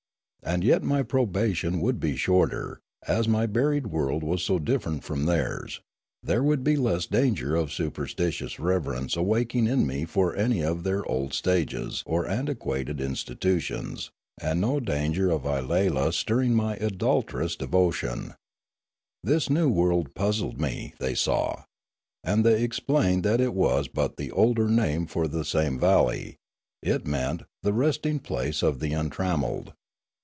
And yet my probation would be shorter, as my buried world was so different from theirs; there would be less danger of superstitious reverence awaking in me for any of their old stages or antiquated institutions, and no danger of Ayala stirring my idolatrous devotion. This new word puzzled me, they saw. And they explained that it was but the older name for the same valley; it meant " the resting place of the untrammelled."